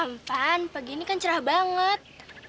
rempan pagi ini kan cerah banget